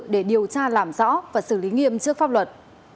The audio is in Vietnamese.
để điều tra làm rõ và xử lý nghiêm trước pháp luật